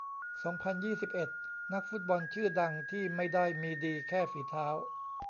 สองพันยี่สิบเอ็ด นักฟุตบอลชื่อดังที่ไม่ได้มีดีแค่ฝีเท้า